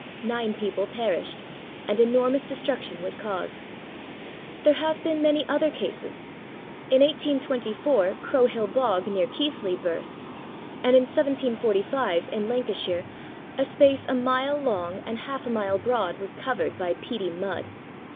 Nine people perished, and enormous destruction was caused. There have been many other cases. In 1824 Crowhill Bog, near Keighley, burst; and in 1745, in Lancashire, a space a mile long and half a mile broad was covered by peaty mud.